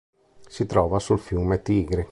Si trova sul fiume Tigri.